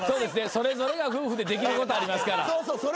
それぞれが夫婦でできることありますから。